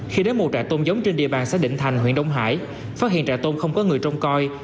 khi đến một trại tôm giống trên địa bàn xã định thành huyện đông hải phát hiện trại tôm không có người trông coi